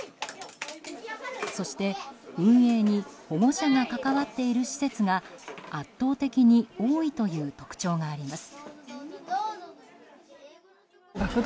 そして、運営に保護者が関わっている施設が圧倒的に多いという特徴があります。